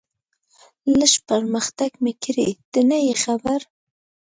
لږ پرمختګ مې کړی، ته نه یې خبر.